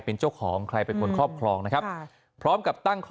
เป็นเจ้าของใครเป็นคนครอบครองนะครับพร้อมกับตั้งข้อ